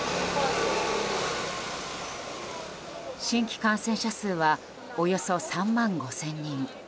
新規感染者数はおよそ３万５０００人。